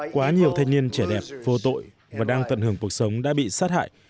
quá nhiều thanh niên trẻ đẹp vô tội và đang tận hưởng cuộc sống đã bị sát hại